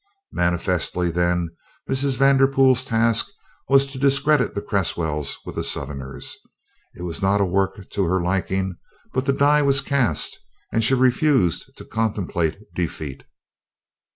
Manifestly, then, Mrs. Vanderpool's task was to discredit the Cresswells with the Southerners. It was not a work to her liking, but the die was cast and she refused to contemplate defeat.